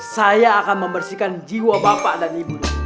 saya akan membersihkan jiwa bapak dan ibu